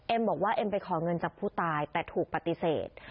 บอกว่าเอ็มไปขอเงินจากผู้ตายแต่ถูกปฏิเสธ